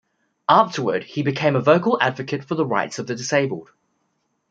Afterward, he became a vocal advocate for the rights of the disabled.